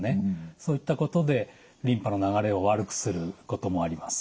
そういったことでリンパの流れを悪くすることもあります。